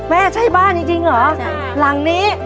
ไม่ใช่บ้านจริงเหรอหลังนี้